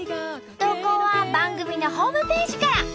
投稿は番組のホームページから。